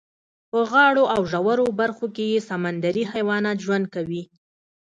په غاړو او ژورو برخو کې یې سمندري حیوانات ژوند کوي.